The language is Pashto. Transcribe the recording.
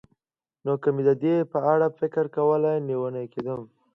نو که مې د دې په اړه فکر کولای، لېونی کېدم.